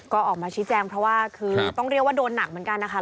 ก็ออกมาชี้แจงเพราะว่าคือต้องเรียกว่าโดนหนักเหมือนกันนะคะ